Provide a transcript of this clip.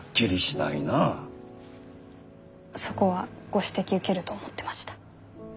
そこはご指摘受けると思ってました。